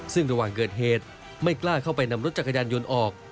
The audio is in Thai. ซึ่งระหว่างเกิดเหตุไม่กล้าเข้าไปนำรถจักรยานยนต์ออก